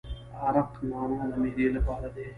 عرق نعنا د معدې لپاره دی.